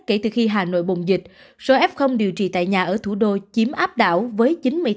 kể từ khi hà nội bùng dịch số f điều trị tại nhà ở thủ đô chiếm áp đảo với chín mươi tám